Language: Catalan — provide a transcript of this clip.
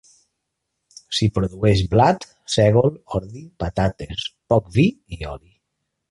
S'hi produeix blat, sègol, ordi, patates, poc vi i oli.